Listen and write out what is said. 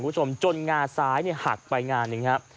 รู้จักมั้ยจนหง่าสายหักไปหง่านอย่างนี้นะครับ